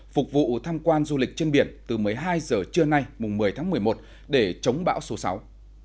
phục vụ tham quan du lịch trên biển từ một mươi hai h trưa nay một mươi tháng một mươi một để chống bão số sáu